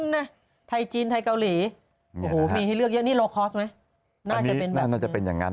น่าจะเป็นแบบนี้น่าจะเป็นอย่างนั้น